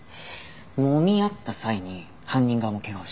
もみ合った際に犯人側も怪我をした。